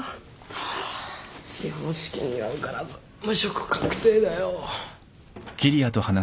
あぁ司法試験には受からず無職確定だよ。